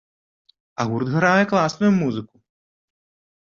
А гурт грае класную музыку.